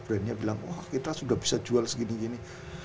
brandnya bilang wah kita sudah bisa jual segini gini